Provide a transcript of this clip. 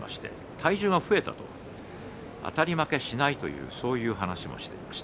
体重が増えたとあたり負けしないというそういう話もしていました。